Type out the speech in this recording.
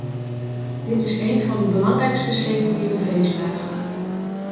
Dit is een van de belangrijkste seculiere feestdagen.